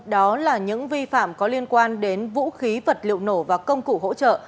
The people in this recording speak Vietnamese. đó là những vi phạm có liên quan đến vũ khí vật liệu nổ và công cụ hỗ trợ